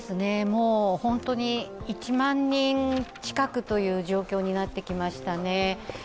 もう本当に１万人近くという状況になってきましたね。